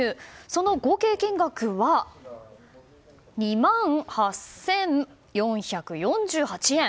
その合計金額は２万８４４８円。